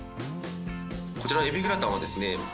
こちらえびグラタンはですね